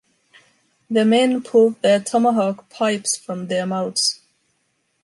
The men pulled their tomahawk pipes from their mouths.